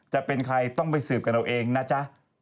จะเป็นใครต้องไปสืบกันเอาเองนะจ๊ะ